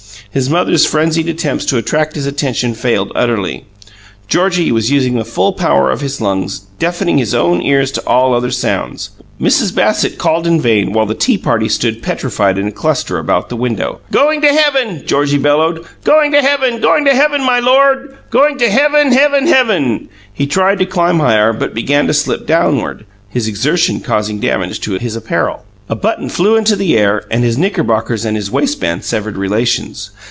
His mother's frenzied attempts to attract his attention failed utterly. Georgie was using the full power of his lungs, deafening his own ears to all other sounds. Mrs. Bassett called in vain; while the tea party stood petrified in a cluster about the window. "Going to heaven!" Georgie bellowed. "Going to heaven! Going to heaven, my Lord! Going to heaven, heaven, heaven!" He tried to climb higher, but began to slip downward, his exertions causing damage to his apparel. A button flew into the air, and his knickerbockers and his waistband severed relations.